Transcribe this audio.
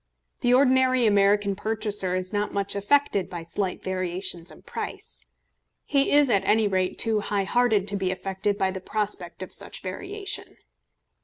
The ordinary American purchaser is not much affected by slight variations in price. He is at any rate too high hearted to be affected by the prospect of such variation.